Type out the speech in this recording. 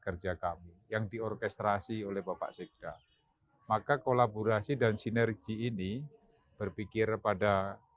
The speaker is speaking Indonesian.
kerja kami yang diorkestrasi oleh bapak sekda maka kolaborasi dan sinergi ini berpikir pada